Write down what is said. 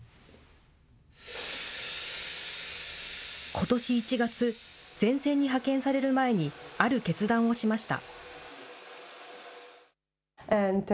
ことし１月、前線に派遣される前にある決断をしました。